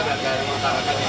dan dari antara kini